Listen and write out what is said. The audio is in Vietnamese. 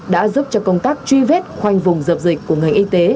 đã giúp cho công tác truy vết khoanh vùng dập dịch của ngành y tế